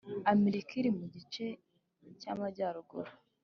amerika iri mu gice cy’amajyaruguru.